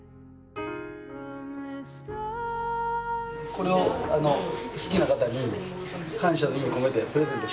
これを好きな方に感謝の意味を込めてプレゼントしてください。